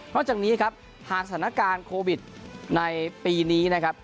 เพราะจากนี้ครับหากสถานการณ์โควิดในปีนี้นะครับ